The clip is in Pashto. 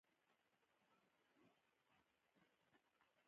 پښتو د افغانانو لپاره یوه مهمه ټولنیزه ژبه ده.